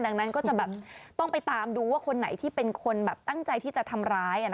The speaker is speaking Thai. ดังนั้นก็จะแบบต้องไปตามดูว่าคนไหนที่เป็นคนแบบตั้งใจที่จะทำร้าย